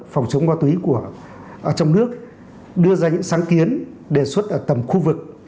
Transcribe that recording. phòng chống ma túy trong nước đưa ra những sáng kiến đề xuất ở tầm khu vực